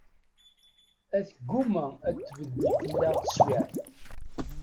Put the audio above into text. A tegguma ad tbeddel fell-aɣ teswiɛt.